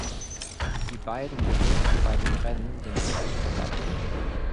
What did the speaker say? Die beiden belegten bei dem Rennen den siebten Platz.